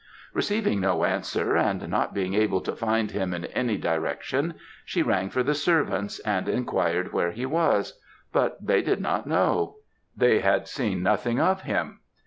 Receiving no answer, and not being able to find him in any direction, she rang for the servants, and inquired where he was; but they did not know; they had seen nothing of him.